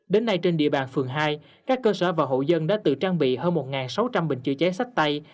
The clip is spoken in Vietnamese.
đến nay trên địa bàn phường hai các cơ sở và hộ dân đã tự trang bị hơn một sáu trăm linh bình chữa cháy sách tay